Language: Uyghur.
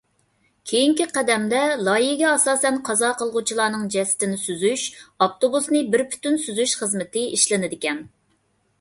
كېيىنكى قەدەمدە، لايىھەگە ئاساسەن قازا قىلغۇچىلارنىڭ جەسىتىنى سۈزۈش، ئاپتوبۇسنى بىر پۈتۈن سۈزۈش خىزمىتى ئىشلىنىدىكەن.